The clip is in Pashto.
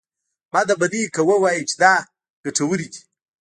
بده به نه وي که ووايو چې دا ګټورې دي.